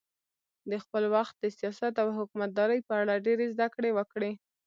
د خپل وخت د سیاست او حکومتدارۍ په اړه ډېرې زده کړې وکړې.